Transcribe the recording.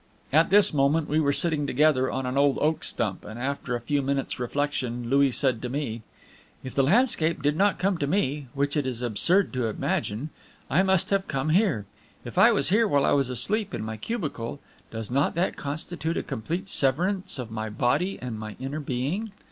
At this moment we were sitting together on an old oak stump, and after a few minutes' reflection, Louis said to me: "If the landscape did not come to me which it is absurd to imagine I must have come here. If I was here while I was asleep in my cubicle, does not that constitute a complete severance of my body and my inner being?